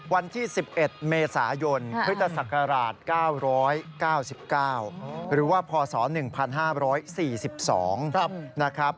วันที่๑๑เมษายนพุทธศักราช๙๙๙หรือว่าพศ๑๕๔๒นะครับ